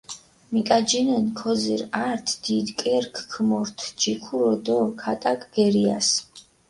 მიკაჯინჷნი, ქოძირჷ ართი დიდი კერქჷ ქომორთჷ ჯიქურო დო ქატაკჷ გერიასჷ.